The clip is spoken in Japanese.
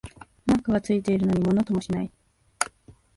マークがついてるのにものともしない